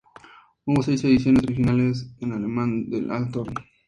Hubo seis ediciones originales, en alemán del alto Rin.